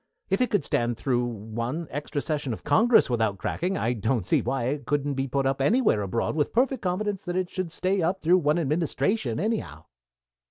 If it could stand through one extra session of Congress without cracking, I don't see why it couldn't be put up anywhere abroad with perfect confidence that it would stay up through one administration, anyhow."